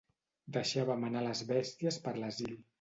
Deixàvem anar les bèsties per l'asil.